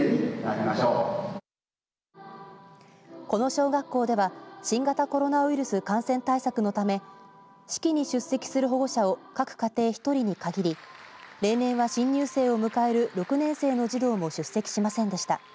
この小学校では新型コロナウイルス感染対策のため式に出席する保護者を各家庭１人にかぎり例年は新入生を迎える６年生の児童も出席しませんでした。